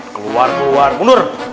keluar keluar mundur